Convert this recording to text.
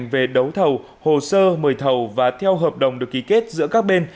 các đơn vị có thể đấu thầu hồ sơ mời thầu và theo hợp đồng được ký kết giữa các bên